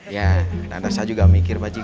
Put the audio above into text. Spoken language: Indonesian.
ya nanti saya juga mikir pak aji